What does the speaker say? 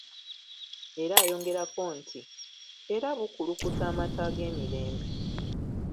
Era ayongerako nti, "era bukulukuta amata ag'emirembe".